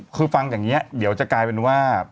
คือฟังอย่างนี้เดี๋ยวจะกลายเป็นว่า